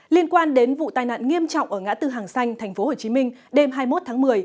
liên quan đến vụ tai nạn nghiêm trọng ở ngã tư hàng xanh tp hcm đêm hai mươi một tháng một mươi